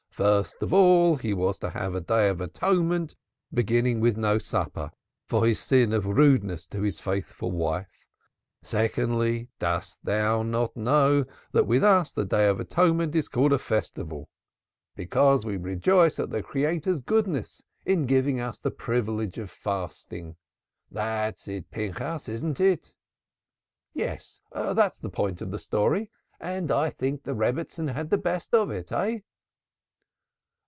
First of all he was to have a Day of Atonement, beginning with no supper, for his sin of rudeness to his faithful wife. Secondly, dost thou not know that with us the Day of Atonement is called a festival, because we rejoice at the Creator's goodness in giving us the privilege of fasting? That's it, Pinchas, isn't it?" "Yes, that's the point of the story, and I think the Rebbitzin had the best of it, eh?"